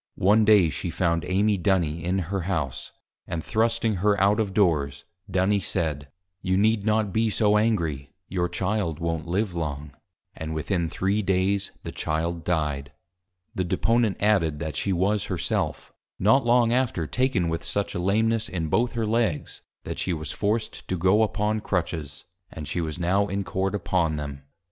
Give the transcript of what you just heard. One Day she found Amy Duny in her House, and thrusting her out of Doors, Duny said, You need not be so Angry, your Child won't live long. And within three Days the Child Died. The Deponent added, that she was Her self, not long after taken with such a Lameness, in both her Legs, that she was forced to go upon Crutches; and she was now in Court upon them.